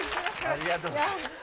ありがとうございます。